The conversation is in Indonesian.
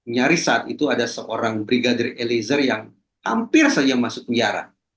nyaris saat itu ada seorang brigadir eliezer yang hampir saja masuk penjara